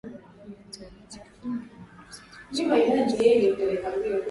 hivyo taratibu za kidemokrasia zilichelewa hadi chaguzi za